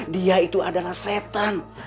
dia itu adalah setan